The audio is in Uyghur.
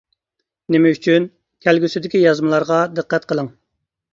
نېمە ئۈچۈن؟ كەلگۈسىدىكى يازمىلارغا دىققەت قىلىڭ.